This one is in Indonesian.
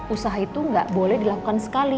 usaha itu gak boleh dilakukan dengan baik